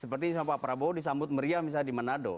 seperti pak prabowo disambut meriah misalnya di manado